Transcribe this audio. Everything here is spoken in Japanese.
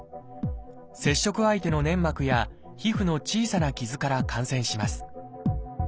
接触相手の粘膜や皮膚の小さな傷から感染します。